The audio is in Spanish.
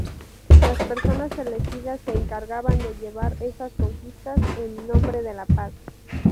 Las personas elegidas se encargaban de llevar estas conquistas en 'nombre de la paz'.